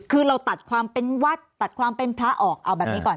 คือเราตัดความเป็นวัดตัดความเป็นพระออกเอาแบบนี้ก่อน